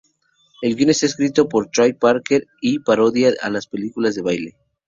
El guion está escrito por Trey Parker, y parodia las películas de baile.